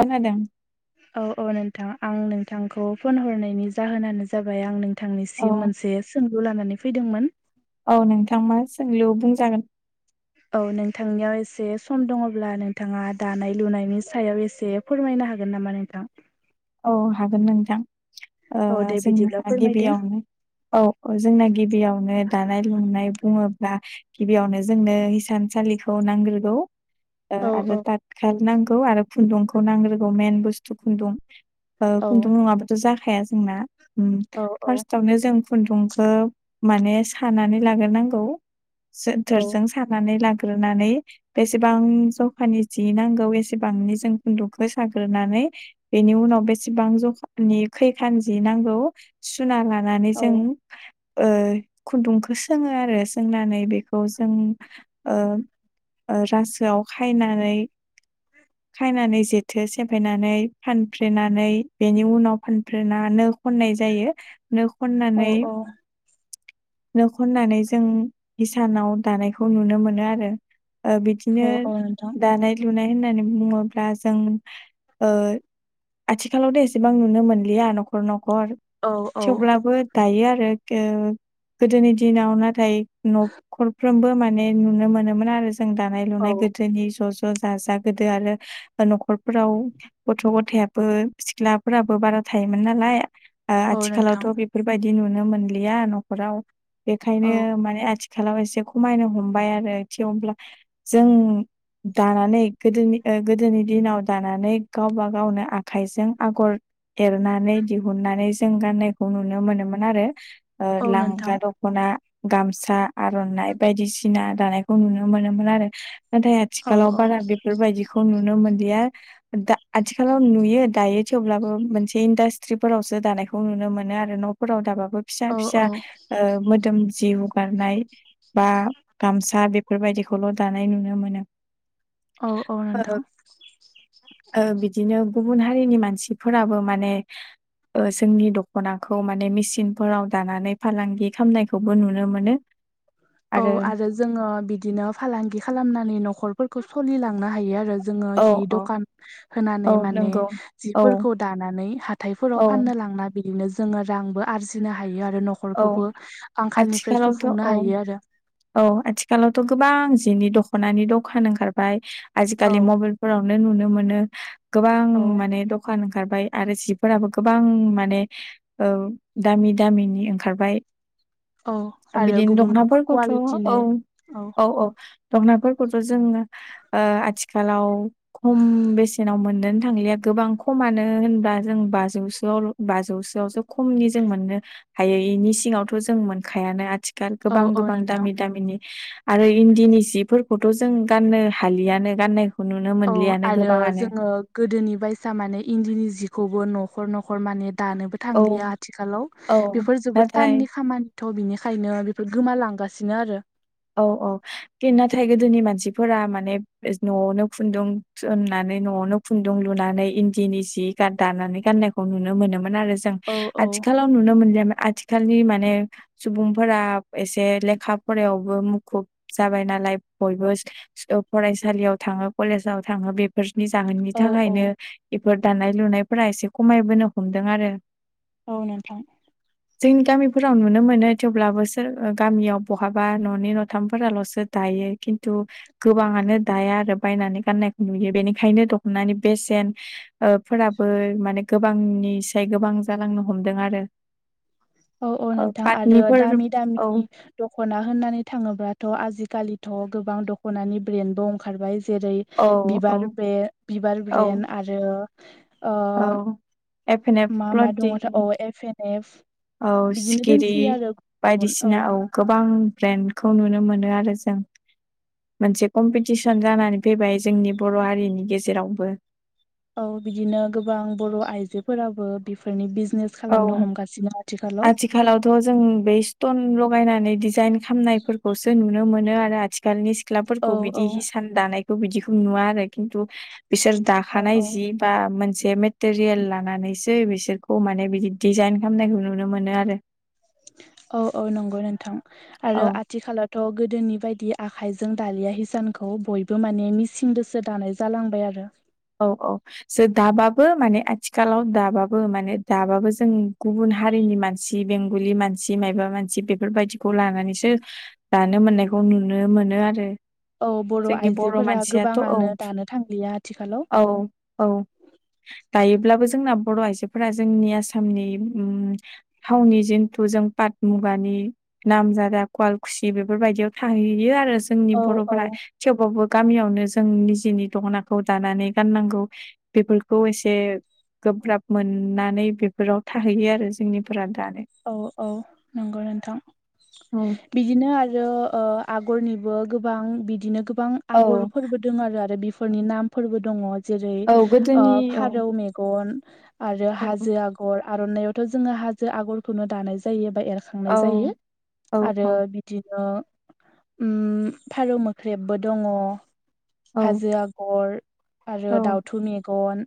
अ नादों औ औ नोंथां आं नोंथांखौ फन हरनायनि जाहोनानो जाबाय आं नों औ थांनिसिम मोनसे सोंलु लानानै फैदोंमोन। औ नोंथां मा सोंलु बुंजागोन औ नोंथांनियाव एसे सम दङ'ब्ला नोंथांङा दानाय-लुनायनि सायाव एसे फोरमायनो हागोन नामा नोंथां? औ हागोन नोंथां ओ औ दे बिदिब्ला जोंहा फोरमायदो गिबियावनो औ अ जोंना गिबियावनो दानाय-लुनाय बुंङोब्ला गिबियावनो जोंनो हिसानसालिखौ नांग्रोगौ ओ औ औ आरो ताथखाल नांगौ आरो खुन्दुंखौ नांग्रोगौ मेन बुस्थु खुन्दुं ओ औ खुन्दुं नङाबाथ' जाखाया जोंना उम औ औ फार्सटावनो जों खुनदुंखो माने सानानै लाग्रोनांगौ औ जोनथोरजों सानानै लाग्रोनानै बेसेबां जखानि जि नांगौ एसेबांनि जों खुन्दुखो साग्रोनानै बेनि उनाव बेसेबां जखानि खैखान जि नांगौ सुना लानानै औ जों ओ खुन्दुंखौ सोङो आरो सोंनानै बेखौ जों ओ ओ रासोआव खायनानै खायनानै जेथो सेमफायनानै फानफ्रेना नै बेनि उनाव फानफ्रेना नो खनाय जायो नो औ खननानै औ नो खननानै जों हिसानाव दानायखौ नुनो मोनो आरो ओ बिदिनो औ औ नोंथां दानाय लुनाय होननानै बुङोब्ला जों ओ आथिखालावथ' एसेबां नुनो मोनलिया नखर नखर औ औ थेवब्लाबो दायो आरो [unintelligible] गोदोनि दिनाव नाथाय नखरफ्रोमबो माने नुनो मोनोमोन आरो जों दानाय औ लुनाय बे गोदोनि ज' ज' जाजा गोदो आरो ओ नखरफोराव गथ' गथाया बो सिख्लाफोराबो बारा थायोमोन नालाय ओ औ नोंथां आथिखालावथ' बे बेफोरबायदि नुनो मोनलिया नखराव औ बेखायनो माने आथि खालाव एसे खमायनो हमबाय आरो थेवब्ला जों दानानै गोदोनि ओ गोदोनि दिनाव दानानै गावबा गावनो आ खाइजों आगर एरनानै दिहुननानै जों गाननायखौ नुनो मोनोमोन आरो। ओ औ नोंथां लांगा द ख'ना गामसा आर'नाइ बायदिसिना दानायखौ नुनो मोनोमोन आरो। नाथाय औ आथिखालाव औ बारा बेफोरबायदिखौ नुनो मोनलिया दा आथिखालाव नु यो दायो थेवब्लाबो मोनसे इडास्ट्रिफोरावसो दानायखौ नुनो मोनो आरो नफोराव दाबाबो फिसा औ फिसा औ ओ मोदोम जि हुगारनाय बा गामसा बेफोरबायदिखौल' दानाय नुनो मोनो औ औ ओ नोंथां बिदिनो गुबुन हारिनि मानसिफोराबो माने ओ जोंनि दख'नाखौ माने मेसिनफोराव दानानै फालांगि खामनायखौबो नुनो मोनो। [inaudible] औ आरो जोङो बिदिनो फालांगि खालामनानै नखरफोरखौ सलिलांनो हायो आरो जोङो औ हि औ दखान औ होनानै माने नंगौ औ जिफोरखौ दानानै औ हाथायफोराव फाननो लांना बिदिनो जोङो रांबो आरजिनो हायो आरो औ नखरखौबो आंखालनिफ्राय आथिखालावथ' औ सुफुंनो हायो आरो। औ आथिखालावथ' गोबां जिनि दख'नानि दखान ओंखारबाय आजिखालि औ मबेल फोरावनो नुनो मोनो गोबां औ माने दखान ओंखारबाय आरो जिफोराबो गोबां माने ओ दामि दामिनि ओंखारबाय औ आरो बिदिनो गुबुन गुबुन [unintelligible] औ कुवालिटिनि औ औ दखनाफोरखौथ' जोंनो ओ आथिखालाव खम बेसेनाव मोननोनो थांलिया गोबां खमानो होनबा जों बाजौसोआव बाजौसोआवसो खमनि जों मोननो हायो इनि सिङावथ' जों मोनखायानो आथि [unintelligible] औ गोबां औ गोबां नोंथां दामि दामिनि आरो इन्दिनि सिफोरखौथ' जों गाननो हालियानो गाननाय खौ नुनो औ मोनलियानो आरो गोबाङानो जोङो गोदोनि बायसा माने इन्दिनि जिखौबो नखर नखर माने दानोबो औ थांलिया आथिखालाव औ बेफोर जोबोद नाथाय टाननि खामानि थ' बिनिखायनो बेफोर गोमालांगासिनो आरो। औ औ कि नाथाय गोदोनि मानसिफोरा माने न'आवनो खुन्दुं थुननानै न'आवनो खुन्दुं लुनानै इन्दिनि जि दानानै गान्नायखौ नुनो मोनोमोन आरो जों औ आथिख औ आथिखालाव नुनो मोनगोन आथिखालनि माने सुबुंफोरा एसे लेखा फरायाव। ब मुखुब जाबाय नालाय बयबो ओ फरायसालियाव थांङो कलेजाव थांङो बे बेफोरनि जाहोननि औ औ थाखायनो बेफोर दानाय लुनायफोरा एसे खमायबोनो हमदों आरो औ नोंथां। जोंनि गामिफोराव नुनो मोनो थेवब्लाबो सोर गामियाव बहाबा न'। न'नै नथामफोराल'सो दायो खिन्थु। गोबांङानो दाया आरो बायनानै गाननायखौ नुयो बेनिखायनो दख'नानि बेसेन। ओ फोराबो माने गोबांनिसाय गोबां जालांनो हमदों आरो औ औ ओ नोंथां आरो पाटनिफोर दामि औ दामिनि। दख'ना होननानै थाङोब्लाथ' आजिखालिथ' गोबां दख'नानि ब्रेन्डबो ओंखारबाय। जेरै औ - औ बिबार ब्रे बिबार औ ब्रेन आरो ओ एफेनेब प्ल'तिं एफे नेक औ सिखिरि बायदिसिना औ गोबां ब्रेन्डखौ नुनो मोनो आरो जों मोनसे कम्पिटिसन जानानै फैबाय जोंनि बर' हारिनि गेजेरावबो औ बिदिनो गोबां बर' आइजोफोराबो बेफोरनि बिजनेस औ खालामनो हमगासिनो आथिखालाव आथिखालावथ' जों बे स्ट'न लगायनानै डिजाइन खामनायफोरखौसो नुनो मोनो आरो आथिखाल औ सिख्लाफोरखौ औ बिदि हिसान दानायखौ बिदिखौ नुवा आरो खिन्थु बिसोर औ दाखानाय औ जि बा मोनसे मेटेरियेल लानानैसो बिसोरखौ माने बि दिजाइन खालामनायखौ नुनो मोनो आरो औ औ नंगौ नोंथां औ आरो आथिखालाव थ' गोदोनि बायदि आखाइजों दालिया हिसानखौ बयबो माने मिसिंजोंसो दानाय जालांबाय आरो औ औ जो दाबाबो माने आथिखालाव दाबाबो माने दाबाबो जों गुबुन हारिनि मानसि मानसि बेंगलि मानसि मायबा मानसि बेफोरबायदिखौ लानानैसो दानो मोननायखौ नुनो मोनो आरो औ बर' जोंनि आइजोफोरा मानसियाथ' औ गोबांङानो दानो थांलिया आथिखालाव औ औ दायोब्लाबो जोंना बर' आइजोफोरा जोंनि आसामनि उनाव थावनि जिन्थु जों पाट मुगानि नामजादा कुवालकुसि बेफोरबायदियाव थाहैयो आरो जोंनि औ औ बर'फोरा थेवबाबबो गामियावनो जों निजेनि दखनाखौ दानानै गाननांगौ बेफोरखौ एसे गोब्राब मोननानै बेफोराव थाहैयो आरो जोंनिफोरा दानो औ औ नंगौ नोंथां औ बिदिनो आरो आगरनिबो गोबां बिदिनो गोबां आगरफोरबो आरो बेफोरनि नामफोरबो दङ जेरै औ गोदोनि औ फारौ मेगन गन आरो औ हाजो आगर आर'नाइावथ' जोंङो हाजो आगरखौनो दानाय जायोबा एर संनाय औ जायो औ आरो बिदिनो फारौ मोख्रेबबो दङ औ हाजो आगर आरो औ दाउथु मेगन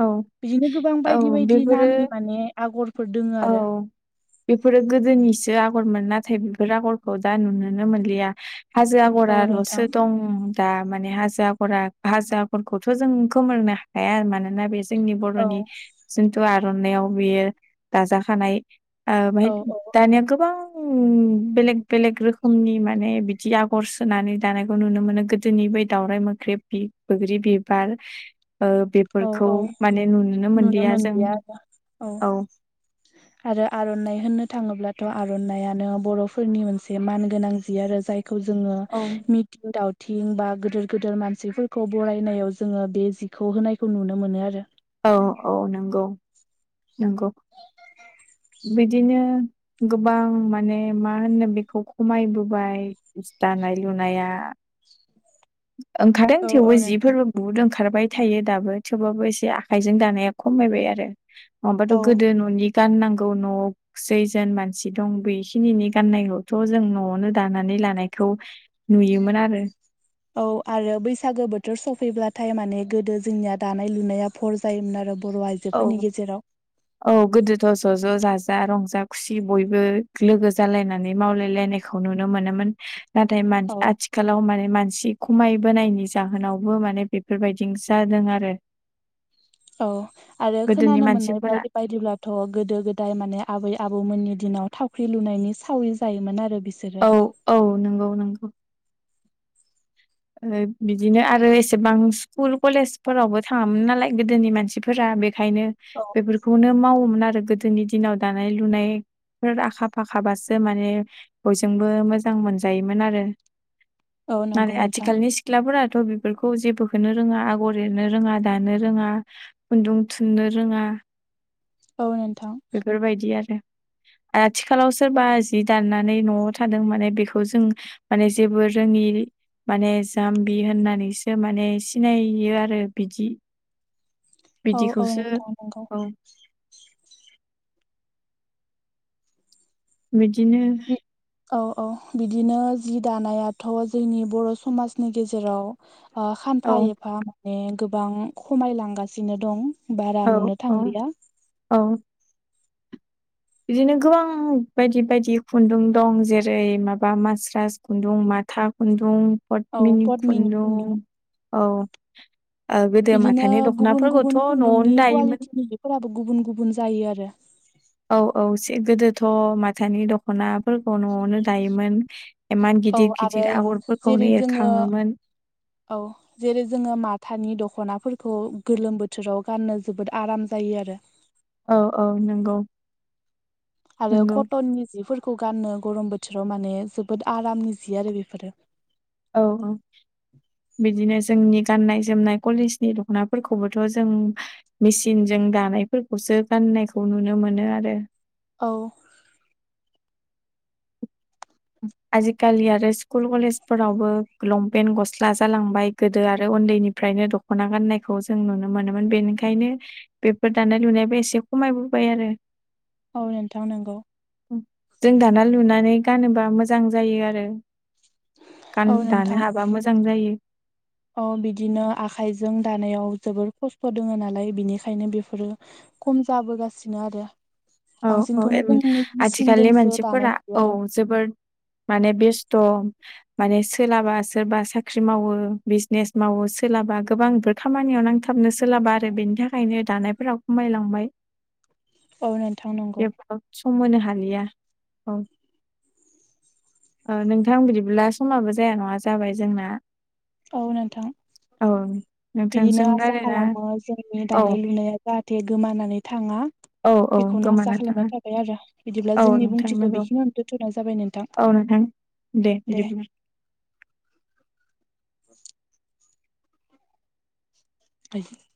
औ बिदिनो गोबां औ बायदि बायदि बेफोरो नामनि माने आगरफोर दोङो औ आरो बेफोरो गोदोनिसो आगरमोन नाथाय बेफोर आगरखौ दा नुनोनो मोनलिया हाजो औ नोंथां आगराल'सो दं दा माने हाजरा हाजारखौथ' जों खोमोरनो हाया मानोना बे जोंनि औ बर'नि जिन्थु आर'नायाव बेयो दाजाखानाय बेाय औ औ दानिया गोबां बेलेग बेलेग रोखोमनि माने बिदि आगर होनानै दानायखौ नुनो मोनो गोदोनि बै दाउरराय मोख्रेब बि बैग्रि बिबार ओ औ बेफोरखौ औ माने नुनो मोनलिया जों औ [inaudible] आरो आरनाइ होननो थाङोब्लाथ आरनायानो बर'फोरनि मोनसे मान गोनां जि आरो जाय खौ जोङो औ मि थिं दावथिं बा गोदोर गोदोर मानसिफोरखौ बरायनायाव जोङो बे जिखौ होनाय खौ नुनो मोनो आरो औ औ नंगौ नंगौ बिदिनो गोबां माने मा होनो बेखौ खमायबोबाय दानाय लुनाया ओंखारदों औ औ थेवबो नोंथां। जिफोरबो बहुद ओंखारबाय थायो दाबो थेवबाबो एसे आखाइजों दानाया खमायबाय आरो नङाबाथ गोदो न'नि गाननांगौ न'आव जैजोन मानसि दं बेखिनि गाननायखौथ जों न'आवनो दानानै लानायखौ नुयोमोन आरो औ आरो बैसागो बोथोर सफैब्लाथाय माने गोदो जोंनिया दानाय लुनाया भर जायोमोन आरो बर' आइजो औ औ गोदोथ' ज' ज' जाजा रंजा खुसि बयबो लोगो जालायनानै मावलायलायनाय खौ नुनो मोनोमोन नाथाय मान‌ औ आथि खालाव माने मानसि खमायबोनायनि जाहोनावबो माने बेफोरबायदि जादों आरो औ आरो गोदोनि खोनानो मोननाय मानसिफोरा बायदि बायदिब्ला थ गोदो गोदाय माने आबै आबौमोननि दिनाव थावख्रि लुनायनि सावरि जायोमोन आरो बिसोर औ औ नंगौ नंगौ बिदिनो आरो एसेबां स्कुल कलेजफोरावबो थाङामोन नालाय गोदोनि मानसि फोरा बेखायनो औ बेफोरखौनो मावोमोन आरो गोदोनि दिनाव दानाय लुनाय बिफोर आखा फाखाबासो माने बयजोंबो मोजां मोनजायोमोन आरो औ नंगौ नाथाय नोंथां। आथिखालनि सिथ्लाफोराथ बेफोरखौ जेबोखोनो रोङा आगर एरनो रोङा दानो रोङा खुन्दुं थुननो रोङा औ नोंथां बेफोरबायदि आरो आथिखालाव सोरबा जि दाना नै न'आव थादों माने बेखौ जों माने जेबो रोङि माने जाम्बि होननानैसो माने सिनायो आरो बिदि औ औ बिदिखौसो नोंथां नंगौ औ बिदिनो बि औ औ बिदिनो जि दानायाथ जोंनि बर' समाजनि गेजेराव औ खानफा एफा माने गोबां खमायलांगासिनो दं बारा औ नुनो औ थांलिया औ बिदिनो गोबां बायदि बायदि खुन्दुं दं जेरै माबा मास्रास खुन्दुं माथा खुन्दुं पदमिनि खुन्दुं औ गोदो बिदिनो माथानि दखनाफोरखौथ न'वावनो दायोमोन फोराबो गुबुन गुबुन जायो आरो औ औ एसे गोदोथ माथानि द खनाफोरखौ न'आवनो दायोमोन इमान औ गिदिर आरो गिदिर जेरै आगरफोरखौनो जोङो एरखाङोमोन औ जेरै जोङो माथानि दख'नाफोरखौ गोलोम बोथोराव गाननो जोबोद आराम जायो आरो औ औ नंगौ आरो नंगौ कटननि जिफोरखौ गाननो गरम बोथोराव माने जोबोद आरामनि जि आरो बेफोरो औ ओं बिदिनो जोंनि गाननाय जोमनाय कलेजनि दखनाफोरखौबोथ जों मेसिनजों दानायफोरखौसो गाननायखौ नुनो मोनो आरो औ आजिखालि आरो स्कुल कलेसफोरावबो लंपेन गस्ला जालांबाय गोदो आरो उन्दैनिफ्रायनो दख'ना गाननायखौ जों नुनो मोनोमोन बेनिखायनो बेफोर दानाय लुनायाबो एसे खमायबोबाय आरो औ नोंथां नोंगौ जों दाना लुनानै गानोबा मोजां जायो आरो गान औ दानो नोंथां हाबा मोजां [inaudible] औ बिदिनो आखाइजों दानायाव जोबोर खस्थ' दोङ नालाय बिनिखायनो बिफोरो खम जाबोगासिनो आरो औ औ बांसिनखौनो जों आथिखालनि मेचिनजोंसो दानाय मानसिफोरा नुयो औ आरो जोबोर माने बेस्थ' माने सोलाबा सोरबा साख्रि मावो बिजनेस मावो सोलाबा गोबां खामानियाव नांथाबनो सोलाबा आरो बेनि थाखायनो दानायफोराव खमायलांबाय औ नोंथां नं [unintelligible] सम होनो हालिया औ ओ नोंथां बिदिब्ला समाबो जाया नङा जाबाय जोंना औ नोंथां औ बिदिनो नोंथांजों आसा रायलायना खालामो जोंनि औ दानाय लुनाया जाहाथे गोमानानै थाङा औ औ बेखौनो आसा गोमाना थाङा खालामनाय थाबाय आरो बिदिब्ला औ जोंनि नोंथां बुंथिखौ नंगौ बिखिनियाव दोनथ'नाय जाबाय नोंथां औ नोंथां दे बिदिब्ला [unintelligible] [unintelligible]